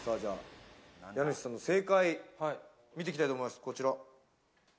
家主さんの正解を見ていきたいと思います、こちら。